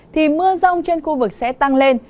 thì mưa rông trên khu vực sẽ tăng lên